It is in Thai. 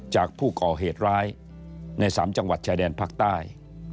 จากผู้ก่อเหตุร้ายใน๓จังหวัดชายแดนภาคใต้